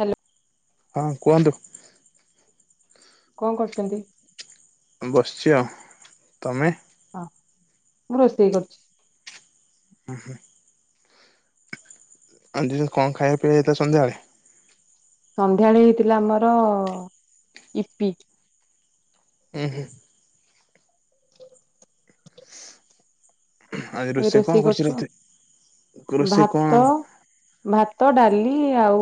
Hello ହଁ କୁହନ୍ତୁ। କଣ କରୁଚନ୍ତି? ବସିଚି ଆଉ ତମେ ହଁ ମୁଁ ରୋଷେଇ କରୁଚି। ଉ ହୁଁ। ଆଜି କଣ ଖାଇବା ପିଇବା ସନ୍ଧ୍ୟାବେଳେ? ସନ୍ଧ୍ୟାବେଳେ ହେଇଥିଲା ଆମର ଇପି। ଉଁ ହୁଁ। ଓେ [inaudible] ଆଜି ଏବେ କଣ ରୋଷେଇ କରିଛି କରୁଚ ରାତି ରୋଷେଇ କଣ ଭାତ ଭା ଭାତ ଡାଲି ଆଉ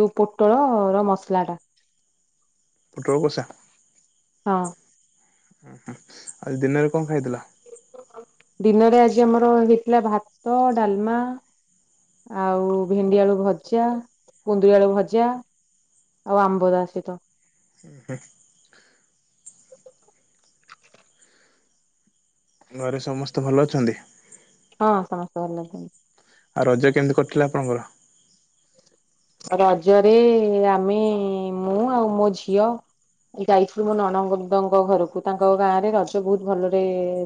ଯୋଉ ପୋଟଳର ମସଲାଟା। ପୋଟଳ କସା। ହଁ। ଉଁ ହୁଁ ଆଜି ଦିନରେ କଣ ଖାଇଥିଲା? ଦିନରେ ଆଜି ଆମର ହେଇଥିଲା ଭାତ ଡାଲମା ଆଉ ଭେଣ୍ଡି ଆଳୁ ଭଜା କୁନ୍ଦୁରି ଆଳୁ ଭଜା ଆଉ ଆମ୍ବ ତା ସହିତ ସହିତ ଉଁ ହୁଁ। ଘରେ ସମସ୍ତେ ଭଲ ଅଛନ୍ତି? ହଁ ସମସ୍ତ ଭଲ ଅଛନ୍ତି। ଆଉ ରଜ କେମିତି କଟିଲା ଆପଣଙ୍କର? ରଜରେ ଆମେ ମୁଁ ଆଉ ମୋ ଝିଅ ଯାଇଥିଲୁ ମୋ ନଣନ୍ଦଙ୍କ ଘରକୁ ତାଙ୍କ ଗାଁରେ ରଜ ବୋହୁତ ଭଲରେ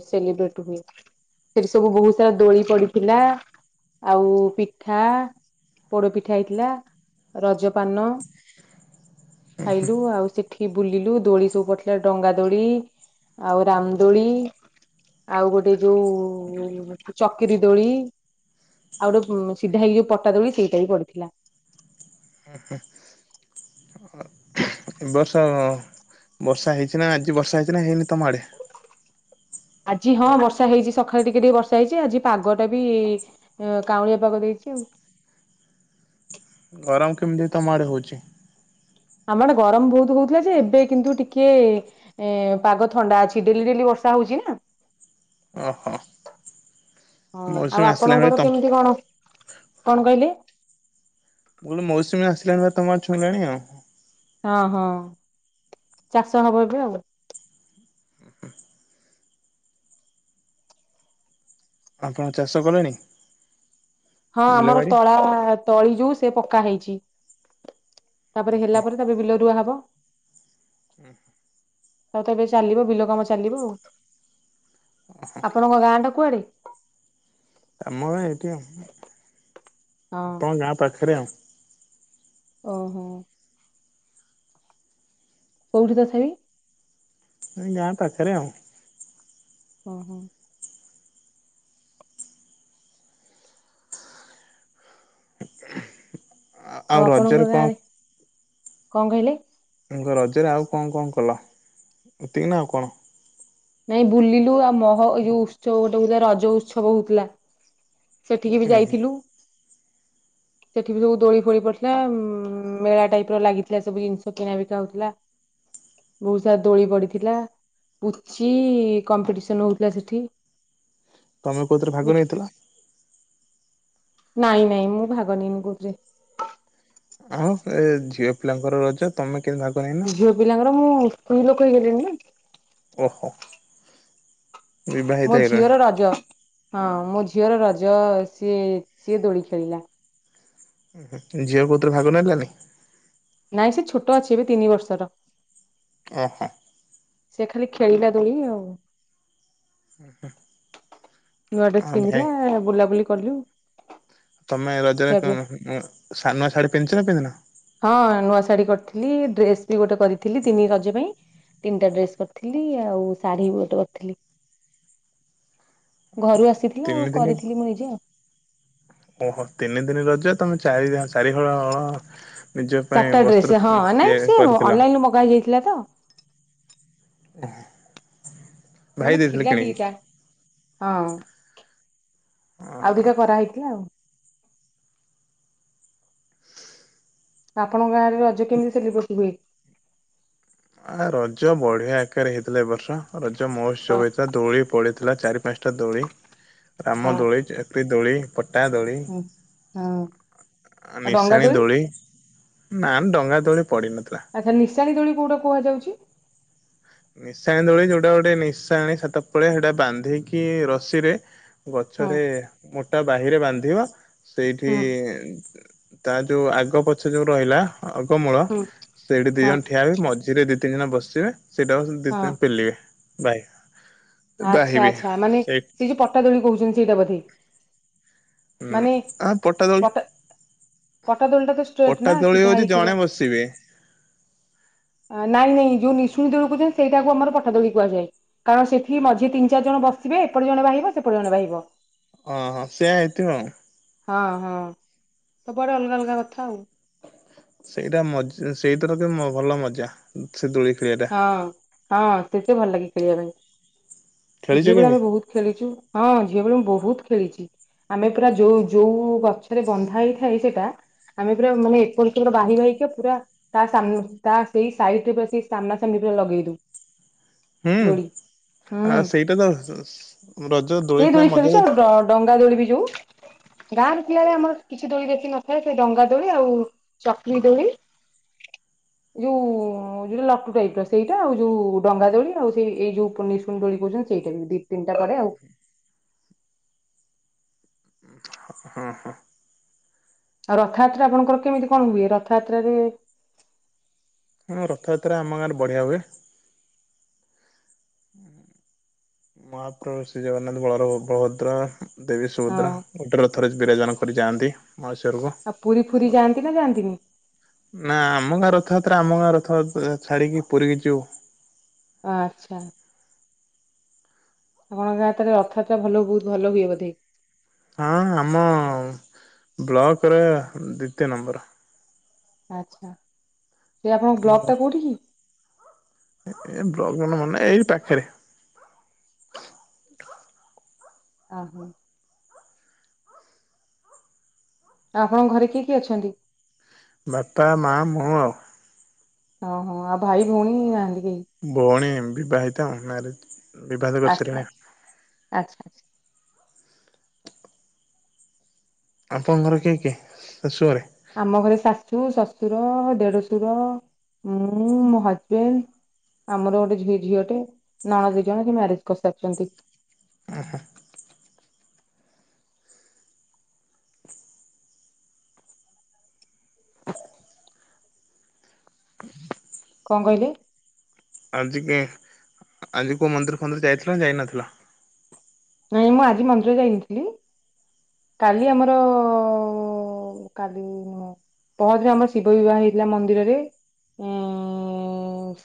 ସେଲିବ୍ରେଟ ହୁଏ ସେଠି ସବୁ ବୋହୁତ ସାରା ଦୋଳି ପଡିଥିଲା ଆଉ ପିଠା ପୋଡ ପିଠା ହେଇଥିଲା। ରଜପାନ ଖାଇଲୁ ଆଉ ସେ ଠି ବୁଲିଲୁ ଦୋଳି ସବୁ ପଡିଥିଲା ଡଙ୍ଗା ଦୋଳି ଆଉ ରାମ ଦୋଳି ଆଉ ଗୋଟେ ଯୋଉ ଚକ୍ରି ଦୋଳି ଆଉ ଗୋଟେ ସିଧା ହେଇକି ଯୋଉ ପଟା ଦୋଳି ସେଇଟା ବି ପଡିଥିଲା। ଏ ବର୍ଷ ବର୍ଷା ହେଇଚି ନା ଆଜି ବର୍ଷା ହେଇଚି ନା ହେଇନି ତମ ଆଡେ? ଆଜି ହଁ ବର୍ଷା ହେଇଚି ସକାଳେ ଟିକେ ଟିକେ ବର୍ଷା ହେଇଚି ଆଜି ପାଗଟା ବି କାଉଁଳିଆ ପାଗ ଦେଇଚି ଆଉ ଗରମ କେମିତି ତମ ଆଡେ ହୋଉଚି? ଆମ ଆଡେ ଗରମ ବୋହୁତ ହୋଉଥିଲା ଯେ ଏବେ କିନ୍ତୁ ଟିକେ ଏ ପାଗ ଥଣ୍ଡା ଅଛି ଡେଲି ଡେଲି ବର୍ଷା ହଉଛି ନା। ଓହୋ ହଁ ମୌସୁମୀ ଆଉ ଆସିଲା ବେଳେ ଆପଣଙ୍କର ତମ କେମିତି କଣ କଣ କହିଲେ? ମୁଁ କହିଲି ମୌସୁମୀ ଆସିଲାଣି ଭାରି ତମ ଆଡ଼େ ଛୁଇଁଲାଣି ଆଉ। ହଁ ହଁ ଚାଷ ହବ ଏବେ ଆଉ। ଆପଣ ଚାଷ କଲେଣି? ହଁ ଆମର ବିଲବାଡି? ତଳା ତଳି ଯୋଉ ସେ ପକା ହେଇ ଚି ତାପରେ ହେଲା ପରେ ତାପରେ ବିଲ ରୁଆ ହବ। ଉଁ ହୁଁ। ଆଉ ତ ଏବେ ଚାଲିବ ବିଲ କାମ ଚାଲିବ ଆଉ। ଆପଣଙ୍କ ଗାଁ ଟା? କୁଆଡେ କାମ ଏଇଟି ଆଉ। ହଁ ଆପଣ ଗାଁ ପାଖରେ ଆଉ। ଓ ହୋ। କୋଉଠି ତଥା ବି? ଏଇ ଗାଁ ପାଖରେ ଆଉ। ଓ ହୋ। [inaudible] ଆଉ ଆପଣଙ୍କ ରଜରେ କଣ ଗାଁରେ କଣ କହିଲେ? ତାଙ୍କ ରଜରେ ଆଉ କଣ କଣ କଲା, ଏତିକି ନା ଆଉ କଣ? ନାଇଁ ବୁଲିଲୁ ଆଉ ମହ ଏ ଯୋଉ ଉତ୍ସବ ଗୋଟେ ହଉଥିଲା ରଜ ଉତ୍ସବ ହଉଥିଲା ସେଠିକି ବି ହୁଁ ହୁଁ ଯାଇଥିଲୁ। ସେଠି ବି ସବୁ ଦୋଳି ଫୋଳି ପଡିଥିଲା ଉଁ ମେଳା ଟାଇପ ର ଲାଗିଥିଲା ସବୁ ଜିନିଷ କିଣାବିକା ହଉଥିଲା, ବହୁତ ସାରା ଦୋଳି ପଡିଥିଲା, ପୁଚି କମ୍ପିଟିସନ ହଉଥିଲା ସେଠି। ତମେ କୋଉଥିରେ ଭାଗ ଦେଖି ନେଇଥିଲ? ନାଇଁ ନାଇଁ ମୁଁ ଭାଗନେଇନି କଉଥିରେ। ଆଉ ଏ ଝିଅ ପିଲାଙ୍କର ରଜ ତମେ କେମିତି ଭାଗ ନେଇନ? ଝିଅ ପିଲାଙ୍କର ମୁଁ ସ୍ତ୍ରୀ ଲୋକ କହିଗଲି ନା ଓହୋ। ବିବାହିତ ମୋ ହେଇଗଲଣି ଝିଅର ରଜ ହଁ ମୋ ଝି ଝିଅର ରଜ ସିଏ ସିଏ ଦୋଳି ଖେଳିଲା। [inaudible] ଝିଅ କଉଥିରେ ଭାଗ ନେଲାନି? ନାଇଁ ସେ ଛୋଟ ଅଛି ଏବେ ତିନି ବର୍ଷର। ଓହୋ। ସେ ଖାଲି ଖେଳିଲା ଦୋଳି ଆଉ ନୂଆ ଆଉ ଡ୍ରେସ ଭାଇ ପିନ୍ଧିଲା ବୁଲାବୁଲି କଲୁ ତମେ ଖିଆ ରଜରେ ପିଆ କଣ [unintelligible] ନୂଆ ଶାଢୀ ପିନ୍ଧିଛ ନା ପିନ୍ଧିିନ? ହଁ ନୂଆ ଶାଢୀ କରିଥିଲି ଡ୍ରେସ ବି ଗୋଟେ କରିଥିଲି ତିନି ରଜ ପାଇଁ ତିନିଟା ଡ୍ରେସ କରିଥିଲି ଆଉ ଶାଢୀ ବି ଗୋଟେ କରିଥିଲି। ଘରୁ ଆସିଥିଲା ତିନି ଆଉ ଦିନି କରିଥିଲି ମୁଁ ନିଜେ ଆଉ। ଓହୋ ତିନି ଦିନି ରଜ ତମେ ଚାରି ଚାରି ହଳ ଚାରିଟା ଡ୍ରେସ ହଁ ନାଇଁ ସିଏ କରିଥିଲ ଅନଲାଇନ ରୁ ମଗା ହେଇଯାଇଥିଲା ତ। ଓ [inaudible] ମାନେ ଥିଲା ଦିଟା ହଁ। ଆଉ ଓହୋ। ଦିଟା କରାହେଇଥିଲା ଆଉ। ଆପଣଙ୍କ ଗାଁରେ ରଜ କେମିତି ସେଲିବ୍ରେଟ ହୁଏ? ଆ ରଜ ବଢିଆ ଆକାରରେ ହେଇଥିଲା ଏ ବର୍ଷ ରଜ ହଁ ମହୋତ୍ସବ ହେଇଥିଲା ଦୋଳି ପଡି ଥିଲା ଚାରି ପାଞ୍ଚଟା ଦୋଳି ରାମ ହୁଁ ଦୋଳି, ଚକ୍ରି ଦୋଳି କଟା ଦୋଳି ହଁ ଆଉ ଡଙ୍ଗା ନିସାଣିୀ ଦୋଳି ନା ଡଙ୍ଗା ଦରି ଆଚ୍ଛା ନିଶାଣିୀ ଦୋଳି କୋଉଟା କୁହାଯାଉଛି, ନିଶାଣି ଦୋଳି ଯୋଉଟା ଗୋଟେ ନିଶାଣି ସାତ ପଳେ ସେଇଟା ବାନ୍ଧିକି ରସିରେ ହଁ ଗଛରେ ମୋ ବାହରେ ବାନ୍ଧିବ ସେଇଠି ହୁଁ ତା ଯଉ ଆଗ ପଛ ଯଉ ରହିଲା ଆଗମୂଳ ହୁଁ ସେଇଠି ଦି ହଁ ଜଣ ଠିଆ ବି ମଝିରେ ଦି ତିନି ଦିନ ବସିିବେ ସେଇଟା ଦ ପେିଲ ବାାଇ ଆଚଛା ଆଚ୍ଛା ମାନେ ସେ ଯୋଉ ପଟା ଦୋଳି କହୁଛନ୍ତି ସେଇଟା ବୋଧେ ଉଁ ମାନେ ଆ ପଟା ଦୋଳି ପଟାଦୋଳ ଟା ତ ପଟା ନା ଦୋଳି ସିଧା ହଉଛି ହେଇଥିବ ଜଣେ ବସିବେ ନାଇଁାଇ [inaudible] ଛୁଣି ଦଛନ୍ତି ସେଇାକୁ ଆର ପଠା ଦଳଳି କୁହାଯା କଣ ସେଠ ମଝି ତିନି ଚାରି ଜଣ ବସିବେ ଏପଟ ଜଣେ ବାହିବ ସେପଟେ ଜଣେ ବାହିବ ଓହୋ ସେଆ ହେଇଥିବ ହଁ ହଁ ସବୁଆଡ଼େ ଅଲଗା ଅଲଗା କଥା ଆଉ। ସେଇଟା ମଜ ସେଇତର ତ ଭଲ ମଜା ସେ ଦୋଳି। ଖେଳିବା ଟା ହଁ ହଁ ସେଠି ଭଲ ଲାଗେ ଖେଳିବା ପାଇଁ । ଖେଳିଛ ଝିଅ ବେଳେ କେବେ? ଆମେ ବୋହୁତ ଖେଲିଛୁ ହଁ ଝିଅ ବେଳେ ମୁଁ ବୋହୁତ। ଖେଳିଚି ଆମେ ପୁରା ଯୋଉ ଯୋଉ ଗଛରେ ବନ୍ଧା ହେଇଥାଏ ସେଇଟା ଆମେ ପୁରା ମାନେ ଏପଟସେପଟ ବାହି ବାହିକ ପୁରା ତା ସାମ ତା ସେଇ ସାଇଟରେପ୍ରତି ସାମ୍ନା ସାମ୍ନି ରେ ଲଗେଇ ଦୋଉ ହୁଁ ଆ ସେଇଟା ତ ରଜ ଦୋଳି ପାଇଁ ମଜା ଯାଚି ଗାଁ ର ପିଲାବେଳେ ଆମର କିଛି ଦୋଳି ବେଶି ନଥାଏ ସେ ଡଙ୍ଗା ଦୋଳି ଆଉ ଚକ୍ରି ଦୋଳି ଯୋଉ ଲକ୍ ଶେଇପା ସେଇଟା ଆଉ ଯୋଉ ଡଙ୍ଗା ଦୋଳି ଆଉ ସେଇ ଏଇ ଯୋଉ ନିଶୁଣି ଦୋଳି କହୁଛନ୍ତି ସେଇଟା ବି ଦି ତିନିଟା ପଡେ ଆଉ। ହଁ ହଁ ଆଉ ରଥଯାତ୍ରା ଆପଣଙ୍କର କେମିତି କଣ ହୁଏ ରଥଯାତ୍ରାରେ ହଁ ରଥଯାତ୍ରା ଆମ ଗାଁରେ ବଢିଆ ହୁଏ ମହାପ୍ରଭୁ ଶ୍ରୀ ଜଗନ୍ନାଥ ବଳର ବଳଭଦ୍ରା ଦେବୀ ହଁ ସୁୁଭଦ୍ରା ଗୋଟେ ରଥରେ ବିରାଜମାନ ପରି ଯାଆନ୍ତି ମାଉସୀ ଘରକୁ ଆଉ ପୁରୀ ଫୁରୀ ଯାଆନ୍ତି ନା ଯାଆନ୍ତିନି? ନା ଆମ ଗାଁ ରଥଯାତ୍ ତାର ଆମ ଗାଁ ରଥ ଛାଡ଼ିକି ପୁରୀକି ଯିବୁ ଆଚ୍ଛା ଆପଣଙ୍କ ଗାଁ ହାତରେ ରଥଯାତ୍ରା ଭଲ ବହୁତ ଭଲ ହୁଏ ବୋଧେ ହଁ ଆମ ବ୍ଲକରେ ଦ୍ଵିତୀୟ ନମ୍ବର ଆଚ୍ଛା ଏ ଆପଣଙ୍କ ବ୍ଲକ ଟା କୋଉଠି କି ଏ ବ୍ଲକ ମୋର ମନ ନାଇଁ ଏଇ ପାଖରେ ଅ ହୋ ଆପଣଙ୍କ ଘରେ କିଏ କି ଅଛନ୍ତି ବାପା ମା ମୁଁ ଆଉ ଓହୋ ଆଉ ଭାଇ ଭଉଣୀ ନାହାନ୍ତି କେହି ଭୋଉଣୀ ଏମ୍ ବିିବାହିତା ମାରେଜ୍ ବିିବାଦ ଆଚ୍ଛା କରିସାରିଣି ଆଚ୍ଛା ଆଚ୍ଛା। ଆପଣଙ୍କଘର କିଏ କିଏ ଶାଶୁ ଘରେ ଆମ ଘରେ ଶାଶୁ ଶଶୁ ସୁର ଦେଢ ସୁର ମୁଁ ମୋ ହଜବେଣ୍ଡ ଆମର ଗୋଟେି ଝିଅଟେ ନଣନ୍ଦ ଦି ଜଣ ସେ ମ୍ୟାରେଜ କରିସାରିଛନ୍ତି। ଉଁ ହୁଁ କଣ କହିଲେ ଆଜି କେ ଆଜି କୋଉ ମନ୍ଦିର ଫନ୍ଦିର ଯାଇଥିଲ ନା ଯାଇନଥିଲ ନାଇଁ ମୁଁ ଆଜି ମନ୍ଦିର ଯାଇନଥିଲି କାଲି ଆମର କାଲି ପହଦିନ ଆମର ଶିବ ବିବାହ ହେଇଥିଲା ମନ୍ଦିରରେ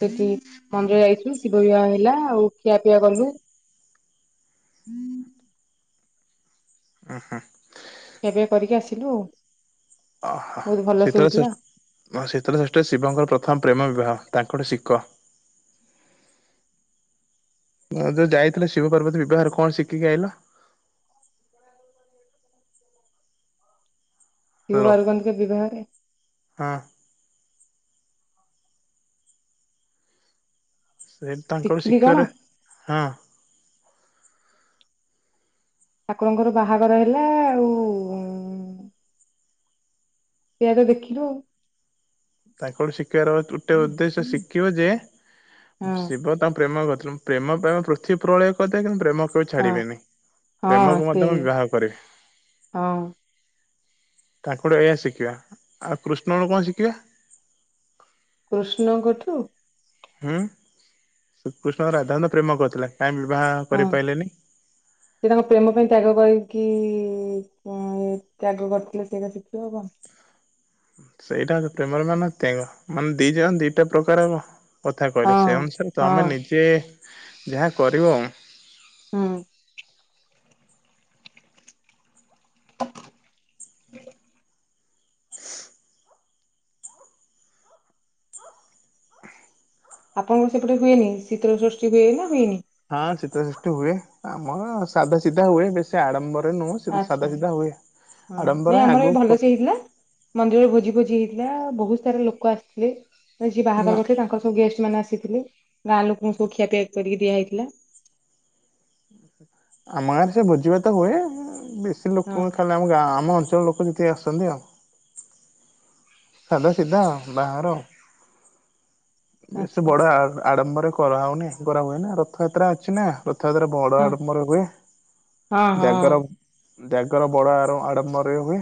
ସେଠି ମନ୍ଦିର ଯାଇଥିଲୁ ଶିବ ବିବାହ ହେଲା ଆଉ ଖିଆ ପିଆ କଲୁ ହୁଁ ଉ ହୁଁ ଖିଆପିଆ କରିକି ଆସିଲୁ ଆଉ ଓହ ବହୁତ ଭଲସେ ଶୀତଳ ହଉଥିଲା ଶ୍ରେଠ ଶୀତଳ ଶ୍ରେଷ୍ଠ ଶିବଙ୍କର ପ୍ରଥମ ପ୍ରେମ ବିବାହ। ତାଙ୍କଟ ଶିିକ। ହ ଯୋଉ ଯାଇଥିଲ ଶିବ ପାର୍ବତୀ ବିବାହ କଣ ଶିଖିକି ଆଇଲ। କେଉ ହାଲୋ ବାରୁଗନ୍ଧ କ ବ୍ୟବହାରରେ। ହଁ ସେଇଠି ତାଙ୍କଳୁ ଶିଖିଲି କଣ ଶିଖିବାରେ ହଁ। ଠାକୁରଙ୍କର ବାହାଘର ହେଲା ଆଉ। ଏଆ ତ ଦେଖିଲୁ ଆଉ। ତାଙ୍କଠୁ ଶିଖିବାର ଗୋଟେ ଉଦ୍ଦେଶ୍ୟ ଶିଖିବ ଯେ ଆଉ। ଶିବ ତାଙ୍କ ପ୍ରେମ ଗତ। ପ୍ରେମ ପ୍ରେମ ପୃଥିବୀ ପ୍ରଳୟ କରିଦେବେ। କିନ୍ତୁ ପ୍ରେମ ହଁ ଛାଡିବେନି ହଁ ହଁ ପ୍ରେମକୁ ମଧ୍ୟ ସେଇ ବିବାହ କରିବି। ହଁ ତାଙ୍କଠୁ ଏଇଆ ଶିଖିବା ଆଉ କୃଷ୍ଣଙ୍କ କଣ ଶିଖିବା। କୃଷ୍ଣଙ୍କଠୁ ହୁଁ ଶ୍ରୀକୃଷ୍ଣ ରାଧାଙ୍କ ତ ପ୍ରେମ କରଥିଲେ। ହଁ ସେ ତାଙ୍କ ପ୍ରେମ ପାଇଁ ତ୍ୟାଗ କରି କି କ ତ୍ୟାଗ କରିଥିଲେ ସେଇରା ଶିଖିବ ଆଉ କଣ। ସେଇଟା ପ୍ରେମର ମାନ ତ୍ୟାଙ୍କ ମାନେ ଦି ଯାଅ ଦିଟା ପ୍ରକାରବ। କଥା କହିଲେ ଆଉ ସେ ଅନୁସାରେ କଣ। ତମେ ନିଜେ ଯାହା କରିବ ଆଉ। ହଁ ହଁ ହୁଁ [inaudible] ଆପଣଙ୍କର ସେପଟେ ହୁଏନି ଶୀତଳ ସୃଷ୍ଟି ହୁଏ ନା ହୁଏନି। ହଁ ଶୀତ ସୃଷ୍ଟି ହୁଏ ଆମର ସାଧା ସିଧା ହୁଏ। ବେଶୀ ଆଡମ୍ବର ଆଚ୍ଛା ହଁ ଆଡମ୍ବର ନାଇଁ ଆମର ଏ ଆଗକୁ ଭଲ ସେ ହେଇଥିଲା। ମନ୍ଦିରରେ ଭୋଜି ଭୋଜି ହେଇ ପିଲା ବହୁତ ସାରା ଲୋକ ଆସିଥିଲେ। ଯିଏ ନା ବାହାଘର କରିଥିଲେ ତାଙ୍କର ସବୁ ଗେଷ୍ଟ ମାନେ ଆ କିିକଲିି। ଗାଁ ଲୋକଙ୍କୁ ସବୁ ଖିଆପିଆ କରିକି କିଆ ହେଇଥିଲା। ଆମ ଗାଁରେ ସେ ଭୋଜିିଭାତ ହୁଏ। ବେଶୀ ହଁ। ଲୋକ ଖାଲି ଆମ ଗାଁ ଆମ ଅ ଳ ଲୋକ ଯେତିକି ଆସଛନ୍ତି ଆଉ। ସାଧା ସିଧା ବାହାର। ବେଶୀ ଆଚ୍ଛା ବଡ ଆ ଆଡମ୍ବରେ କରା ହଉନି। କରାହୁଏ ନା ରଥଯାତ୍ରା ଅଛି ନା। ରେ ବଡ ଆଡମ୍ବରେ ହୁଏ। ହଁ ହଁ ଜାଗର ଜ୍ୟାଗର ବଡ ଆର ଆଡମ୍ବରରେ ହୁଏ।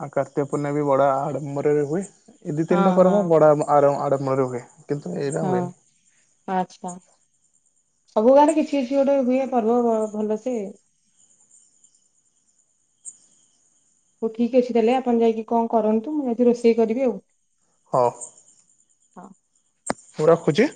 ଆଉ କାର୍ତ୍ତିକ ପୂର୍ଣ୍ଣିମା ବି ବଡ ଆଡମ୍ବରରେ ହୁଏ। ଏଇ ଦି ହଁ ତିନଟା ହଁ ପର୍ବ ହଁ ବଡ ଆର ଆରମ୍ବରେ ହୁଏ। କିନ୍ତୁ ଏଇଟା ହଁ ହୁଏନି ଆଚ୍ଛା ସବୁ ଗାଁ ରେ କିଛି କିଛି ଗୋଟେ ହୁଏ ପର୍ବ ଭଲସେ ହଉ ଠିକ ଅଛି ତାହେଲେ ଆପଣ ଯାଇକି କଣ କରନ୍ତୁ ମୁଁ ଯଦି ରୋଷେଇ କରିବି ଆଉ ହଁ ହଁ ମୁଁ ରଖୁଛି